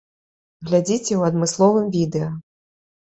Глядзіце ў адмысловым відэа.